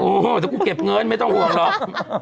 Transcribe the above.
โอ้โฮแต่กูเก็บเงินไม่ต้องห่วงหรอก